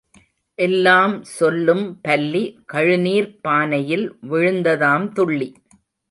எல்லாம் சொல்லும் பல்லி கழுநீர்ப் பானையில் விழுந்ததாம் துள்ளி.